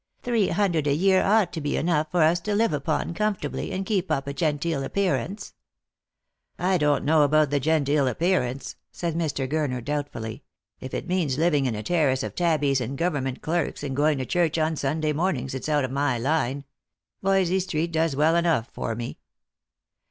" Three hundred a year ought to be enough for us to live upon comfortably, and keep up a genteel appearance." " I don't know about the genteel appearance," said Mr. Gur ner doubtfully. If it means living in a terrace of tabbies and government clerks, and going to church on Sunday mornings, it's out of my line. Voysey street does well enough for me."